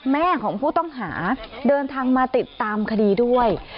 แม่ของผู้ต้องหาเดินทางมาติดตามคดีด้วย